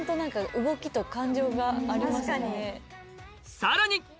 さらに！